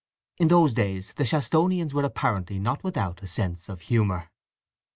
In those days the Shastonians were apparently not without a sense of humour.